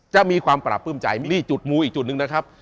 จะมีความปราบปลื้มใจมิลี่จุดมูอีกจุดหนึ่งนะครับ